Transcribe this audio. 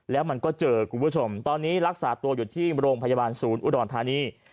แล้วมันก็เจอคุณผู้ชมตอนนี้รักษาตัวอยู่ที่โรงพยาบาลศูนย์อุดรธานี